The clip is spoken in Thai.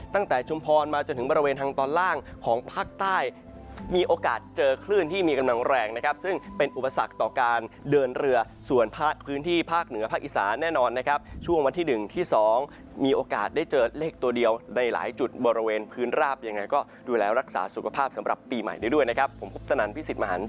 ชุมพรมาจนถึงบริเวณทางตอนล่างของภาคใต้มีโอกาสเจอคลื่นที่มีกำลังแรงนะครับซึ่งเป็นอุปสรรคต่อการเดินเรือส่วนภาคพื้นที่ภาคเหนือภาคอีสานแน่นอนนะครับช่วงวันที่๑ที่๒มีโอกาสได้เจอเลขตัวเดียวในหลายจุดบริเวณพื้นราบยังไงก็ดูแลรักษาสุขภาพสำหรับปีใหม่ได้ด้วยนะครับผมคุปตนันพิสิทธิมหัน